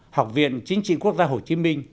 học viện chính trị quốc gia hồ chí minh